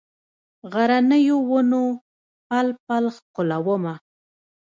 غرنیو ونو پل، پل ښکلومه